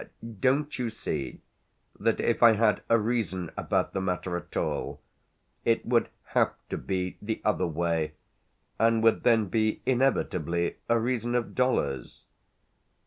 Don't you see that if I had a reason about the matter at all it would have to be the other way, and would then be inevitably a reason of dollars?